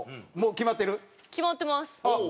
決まってます。